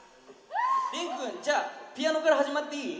れんくんじゃあピアノから始まっていい？